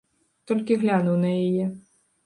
Толькі глянуў на яе.